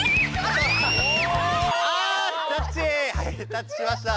タッチしました。